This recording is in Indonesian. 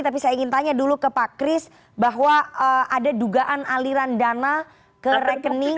tapi saya ingin tanya dulu ke pak kris bahwa ada dugaan aliran dana ke rekening